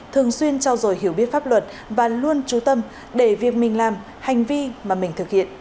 thường xuyên trao dồi hiểu biết pháp luật và luôn trú tâm để việc mình làm hành vi mà mình thực hiện